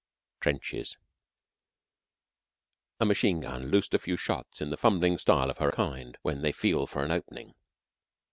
TRENCHES A machine gun loosed a few shots in the fumbling style of her kind when they feel for an opening.